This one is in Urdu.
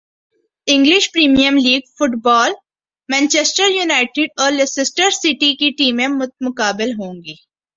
English premiere league football Manchester United اور لیسسٹر سٹی کی ٹیمیں مدمقابل ہونگی